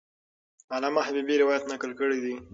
علامه حبیبي روایت نقل کړی دی.